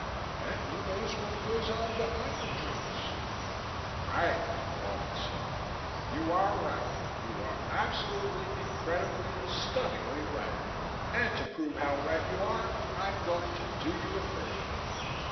And who knows what goes on behind the drapes?" "Right," Albin said. "You are right. You are absolutely, incredibly, stunningly right. And to prove how right you are I'm going to do you a favor."